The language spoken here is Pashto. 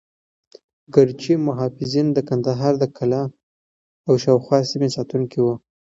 ګرجي محافظین د کندهار د قلعه او شاوخوا سیمو ساتونکي وو.